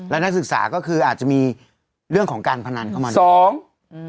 และนักศึกษาก็คืออาจจะมีเรื่องของการพนันเข้ามาด้วย